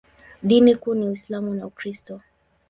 Dini kuu ni Uislamu na Ukristo.